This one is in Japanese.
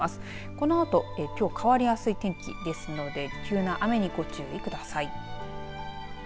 このあと、きょう変わりやすい天気ですので急な雨にご注意ください。